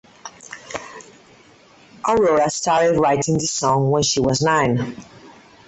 Aurora started writing this song when she was nine.